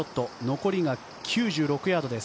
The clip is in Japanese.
残りが９６ヤードです。